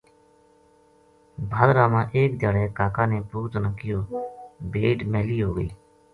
بھادرا ما ایک دھیاڑے کا کا نے پُوت نا کہیو بھیڈ میلی ہو گئی